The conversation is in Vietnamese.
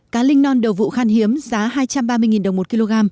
cá linh non đầu vụ khan hiếm giá hai trăm ba mươi đồng một kg